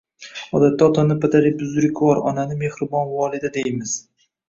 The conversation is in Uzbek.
Odatda otani “Padaribuzrukvor”, onani “Mehribon volida” deymiz